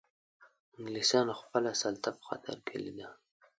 انګلیسانو خپله سلطه په خطر کې لیده.